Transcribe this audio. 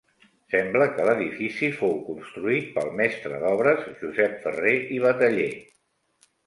Sembla que l'edifici fou construït pel mestre d'obres Josep Ferrer i Bataller.